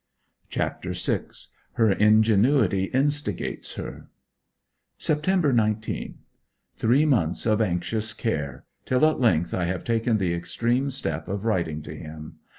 CHAPTER VI. HER INGENUITY INSTIGATES HER September 19. Three months of anxious care till at length I have taken the extreme step of writing to him.